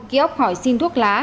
ký ốc hỏi xin thuốc lá